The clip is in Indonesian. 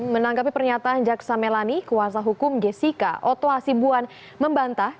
menanggapi pernyataan jaksa melani kuasa hukum jessica oto hasibuan membantah